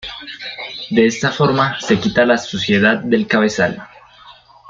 De esta forma se quita la suciedad del cabezal.